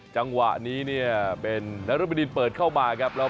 จังหวะนี้เนี่ยเป็นนรบดินเปิดเข้ามาครับ